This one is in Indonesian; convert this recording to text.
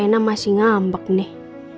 reina masih ngambek nih